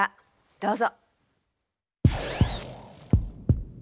どうぞ。